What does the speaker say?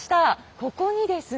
ここにですね